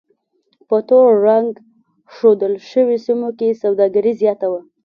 په تور رنګ ښودل شویو سیمو کې سوداګري زیاته وه.